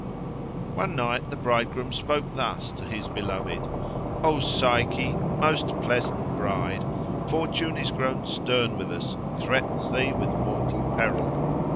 One night the bridegroom spoke thus to his beloved, "O Psyche, most pleasant bride! Fortune is grown stern with us, and threatens thee with mortal peril.